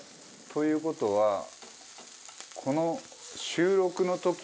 という事はこの。